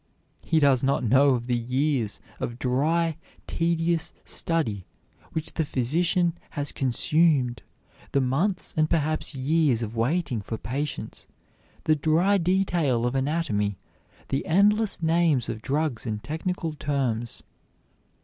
He does not know of the years of dry, tedious study which the physician has consumed, the months and perhaps years of waiting for patients, the dry detail of anatomy, the endless names of drugs and technical terms.